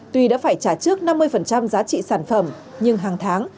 tuy đã phải trả trước năm mươi giá trị sản phẩm nhưng hàng tháng